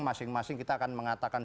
masing masing kita akan mengatakan